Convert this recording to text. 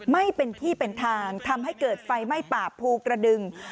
ไม่เป็นที่เป็นทางทำให้เกิดไฟไหม้ป่าภูกระดึง